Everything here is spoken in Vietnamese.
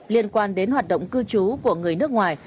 liên quan đến hoạt động cư trú của người nước ngoài